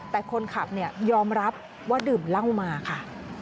แต่คนขับยอมรับว่าดื่มเหล้ามาค่ะ